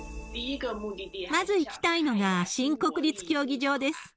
まず行きたいのが、新国立競技場です。